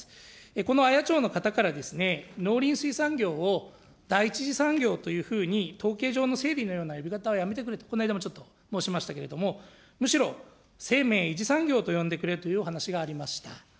このあや町の方からですね、農林水産業を第１次産業というふうに統計上の整備のような呼びかけはやめてくれと、この間もちょっと申し上げましたけれども、むしろ生命維持産業と呼んでくれというお話がありました。